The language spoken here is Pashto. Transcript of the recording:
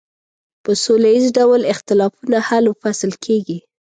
په سوله ایز ډول اختلافونه حل و فصل کیږي.